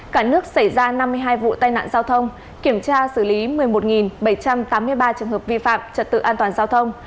cả nước xảy ra năm mươi hai vụ tai nạn giao thông kiểm tra xử lý một mươi một bảy trăm tám mươi ba trường hợp vi phạm trật tự an toàn giao thông